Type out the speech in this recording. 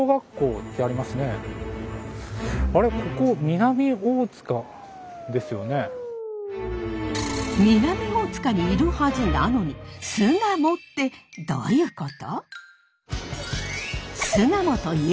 南大塚にいるはずなのに巣鴨ってどういうこと？